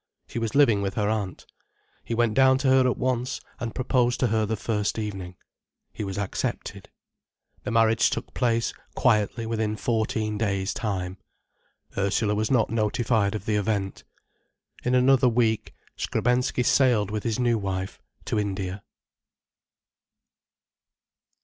She was living with her aunt. He went down to her at once, and proposed to her the first evening. He was accepted. The marriage took place quietly within fourteen days' time. Ursula was not notified of the event. In another week, Skrebensky sailed with his new wife to India.